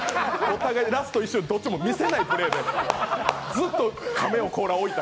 お互いラスト１周どっちも見せないプレーで。